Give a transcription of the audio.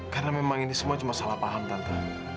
karena memang ini semua cuma salah paham tante